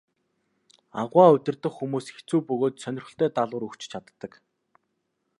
Аугаа удирдах хүмүүс хэцүү бөгөөд сонирхолтой даалгавар өгч чаддаг.